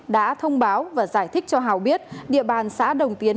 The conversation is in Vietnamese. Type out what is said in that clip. đã thông báo và giải thích cho hào biết địa bàn xã đồng tiến